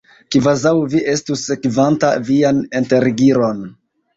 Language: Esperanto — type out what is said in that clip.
Kvazaŭ vi estus sekvanta vian enterigiron!